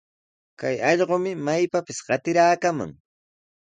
Kay allqumi maypapis qatiraakaman.